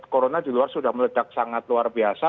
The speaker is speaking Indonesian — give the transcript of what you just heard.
corona di luar sudah meledak sangat luar biasa